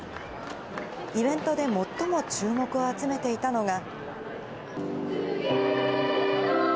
イベントで最も注目を集めていたのが。